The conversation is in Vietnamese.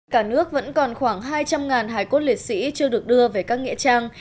cả nước vẫn còn khoảng hai trăm linh hải cốt liệt sĩ chưa được đưa về các nghĩa trang